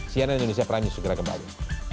cnn indonesia prime news segera kembali